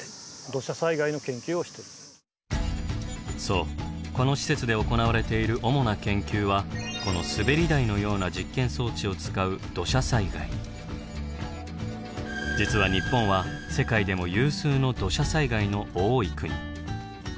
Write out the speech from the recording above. そうこの施設で行われている主な研究はこの滑り台のような実験装置を使う実は日本は世界でも有数の土砂災害の多い国。